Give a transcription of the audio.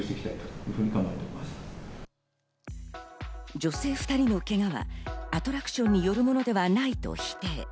女性２人のけがはアトラクションによるものではないと否定。